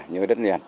nhớ đất liền